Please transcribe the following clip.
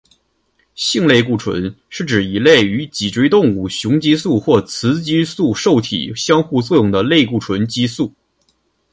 性类固醇是指一类与脊椎动物雄激素或雌激素受体相互作用的类固醇激素。